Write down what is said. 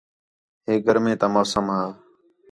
ہے گرمیں تا موسم ہا